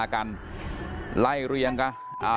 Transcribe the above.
ตอนนี้ก็เปลี่ยนแหละ